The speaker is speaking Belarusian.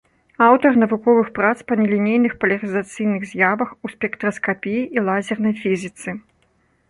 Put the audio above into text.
Аўтар навуковых прац па нелінейных палярызацыйных з'явах у спектраскапіі і лазернай фізіцы.